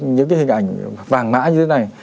những cái hình ảnh vàng mã như thế này